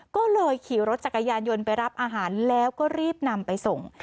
ก็เลยขี่รถจักรยานยนต์ไปรับอาหารแล้วก็รีบนำไปส่ง